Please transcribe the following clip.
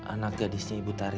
anak gadisnya ibu tari